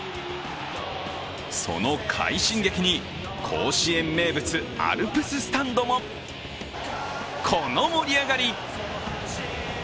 その快進撃に甲子園名物・アルプススタンドもこの盛り上がり。